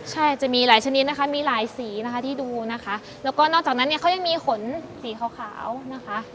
ใช่จะมีหลายชนิดนะคะมีหลายสีนะคะที่ดูนะคะแล้วก็นอกจากนั้นเนี่ยเขายังมีขนสีขาวนะคะ